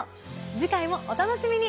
次回もお楽しみに。